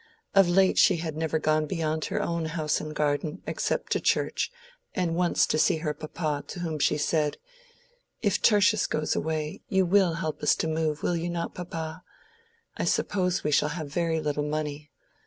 Of late she had never gone beyond her own house and garden, except to church, and once to see her papa, to whom she said, "If Tertius goes away, you will help us to move, will you not, papa? I suppose we shall have very little money.